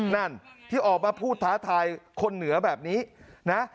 นั่นที่ออกมาพูดท้าทายคนเหนือแบบนี้นะ